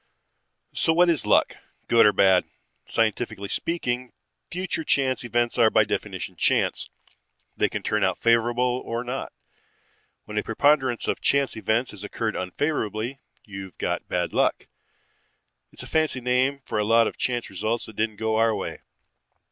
"So what is luck, good or bad? Scientifically speaking, future chance events are by definition chance. They can turn out favorable or not. When a preponderance of chance events has occurred unfavorably, you've got bad luck. It's a fancy name for a lot of chance results that didn't go your way.